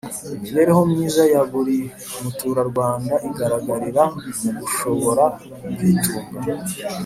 Imibereho myiza ya buri muturarwanda igaragarira mu gushobora kwitunga